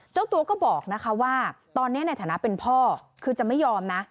เจ้าตัวก็บอกนะคะว่าตอนนี้ในฐานะเป็นพ่อคือจะไม่ยอมนะ